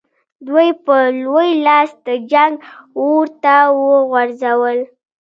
دوی په لوی لاس د جنګ اور ته وغورځول.